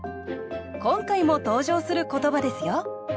今回も登場する言葉ですよ